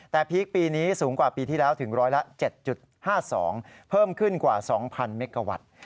แต่พีคปีนี้สูงกว่าปีที่แล้วถึงร้อยละ๗๕๒เพิ่มขึ้นกว่า๒๐๐เมกาวัตต์